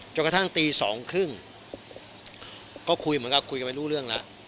กระทั่งตีสองครึ่งก็คุยเหมือนกับคุยกันไม่รู้เรื่องแล้ว